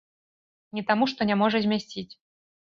Не таму, што не можа змясціць.